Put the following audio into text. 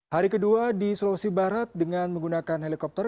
hari kedua di sulawesi barat dengan menggunakan helikopter